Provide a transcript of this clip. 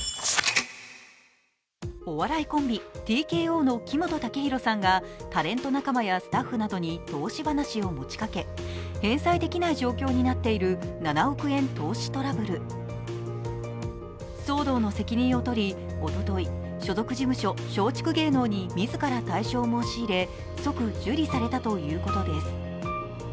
お笑いコンビ、ＴＫＯの木本武宏さんがタレント仲間やスタッフなどに投資話を持ちかけ返済できない状況になっている７億円投資トラブル騒動の責任を取りおととい所属事務所、松竹芸能に自ら退所を申し入れ即受理されたということです。